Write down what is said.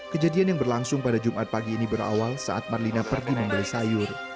kejadian yang berlangsung pada jumat pagi ini berawal saat marlina pergi membeli sayur